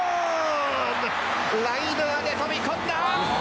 「ライナーで飛び込んだ」